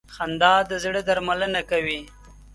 • خندا د زړه درملنه کوي.